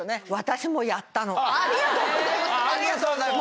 ありがとうございます。